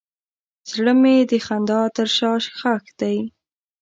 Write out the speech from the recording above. زړه مې د خندا تر شا ښخ دی.